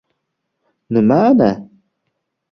— Nima ana?